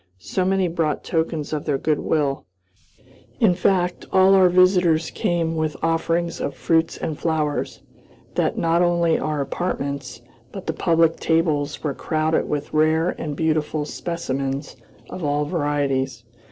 So many brought tokens of their good will in fact, all our visitors came with offerings of fruits and flowers that not only our apartments, but the public tables were crowded with rare and beautiful specimens of all varieties.